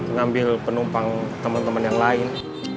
ngambil penumpang temen temen yang lain